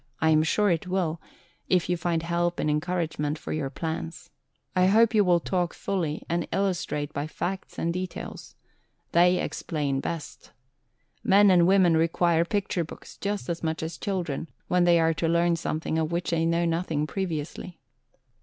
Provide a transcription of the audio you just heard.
I am sure it will, if you find help and encouragement for your plans. I hope you will talk fully, and illustrate by facts and details. They explain best. Men and women require picture books, just as much as children, when they are to learn something of which they know nothing previously."